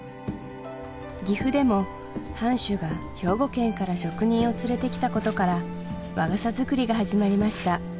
岐阜でも藩主が兵庫県から職人を連れてきたことから和傘作りが始まりました